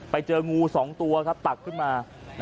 ไปเจองู๒ตัวครับตักขึ้นมา